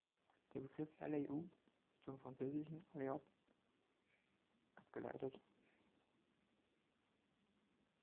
Der Begriff „alley-oop“ ist vom französischen „allez hop!“ abgeleitet.